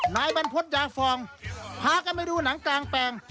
นายบรรพจน์ยากฟองพาก็ไม่ดูหนังจางแปลง